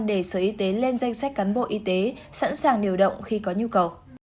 để sở y tế lên danh sách cán bộ y tế sẵn sàng điều động khi có nhu cầu